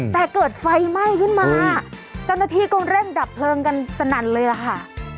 แต่เกิดไฟไหม้ขึ้นมาเจ้าหน้าที่ก็เร่งดับเพลิงกันสนั่นเลยอะค่ะ